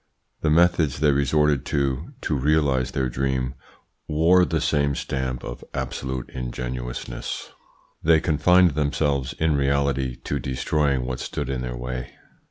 The methods they resorted to to realise their dream wore the same stamp of absolute ingenuousness. They confined themselves, in reality, to destroying what stood in their way.